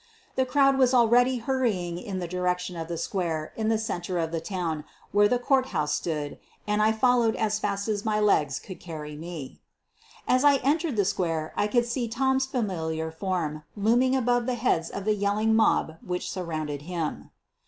The crowd was already hurrying in the direction of the square in the center of the town where the court house stood and I followed as fast as my legs could carry me. As I entered the square I could see Tom's familiar form looming above the heads of the yelling mob which surrounded him.